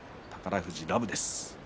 宝富士、ラブです。